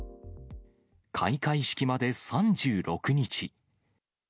開会式まで３６日。